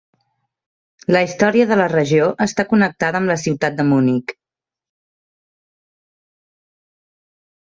La història de la regió està connectada amb la ciutat de Munic.